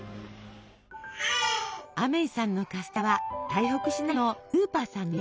アメイさんのカステラは台北市内のクーパーさんの家へ。